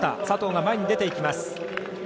佐藤が前に出ていきます。